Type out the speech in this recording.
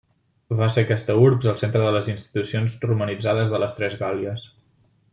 Va ser aquesta urbs el centre de les institucions romanitzades de les tres Gàl·lies.